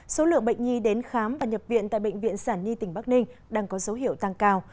số lượng bệnh nhi đến khám và nhập viện tại bệnh viện sản nhi tỉnh bắc ninh đang có dấu hiệu tăng cao